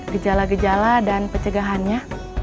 gejala gejala dan pencegahannya